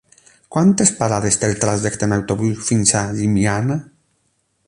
Quantes parades té el trajecte en autobús fins a Llimiana?